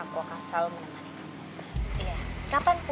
aku akan selalu menemani kamu